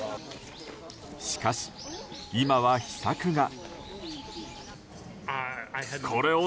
しかし、今は秘策が。